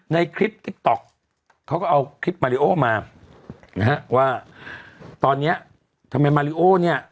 ในคลิปติ๊กต๊อกเขาก็เอาคลิปมาริโอมานะฮะว่าตอนเนี้ยทำไมมาริโอเนี่ย